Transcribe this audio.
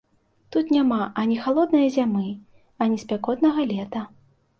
Тут няма ані халоднае зімы, ані спякотнага лета.